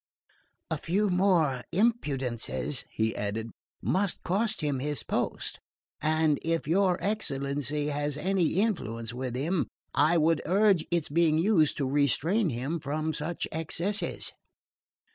"A few more imprudences," he added, "must cost him his post; and if your excellency has any influence with him I would urge its being used to restrain him from such excesses."